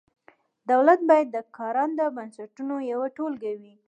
دولت باید د کارنده بنسټونو یوه ټولګه وي.